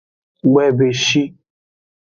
Gboyebeshi.